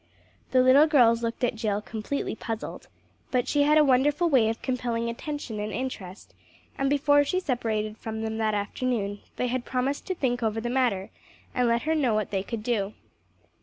The little girls looked at Jill completely puzzled, but she had a wonderful way of compelling attention and interest, and before she separated from them that afternoon they had promised to think over the matter, and let her know what they could do.